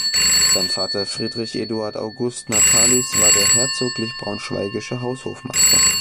Sein Vater Friedrich Eduard August Natalis war der herzoglich braunschweigischer Haushofmeister.